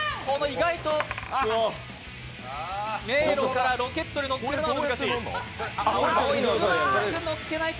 意外と迷路からロケットに乗せるのが難しい。